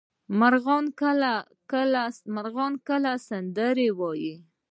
مرغان کله سندرې وايي؟